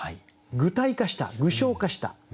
具体化した具象化した。